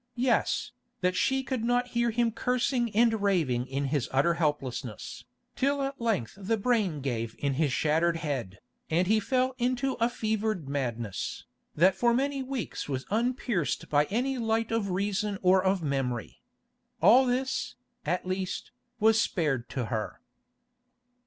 Yes, that she could not hear him cursing and raving in his utter helplessness, till at length the brain gave in his shattered head, and he fell into a fevered madness, that for many weeks was unpierced by any light of reason or of memory. All this, at least, was spared to her.